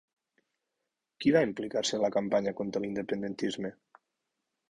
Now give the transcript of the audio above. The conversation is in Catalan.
Qui va implicar-se en la campanya contra l'independentisme?